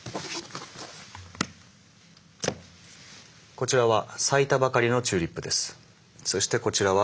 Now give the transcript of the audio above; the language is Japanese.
こちらは咲いたばかりのチューリップです。